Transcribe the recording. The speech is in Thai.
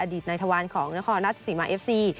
อดีตนายทวารของนครนักศึกษีมาเอฟซี